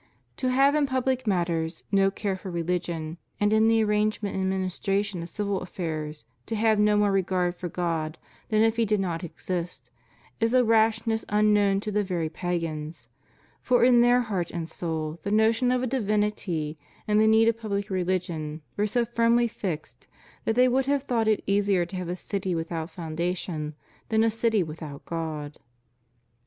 — ^To have in public matters no care for religion, and in the arrangement and administration of civil affairs to have no more regard for God than if He did not exist, is a rashness unknown to the very pagans; for in their heart and soul the notion of a divinity and the need of public religion were so firmly fixed that they would have thought it easier to have a city without foun dation than a city without God.